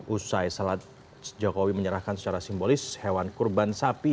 usai salat jokowi menyerahkan secara simbolis hewan kurban sapi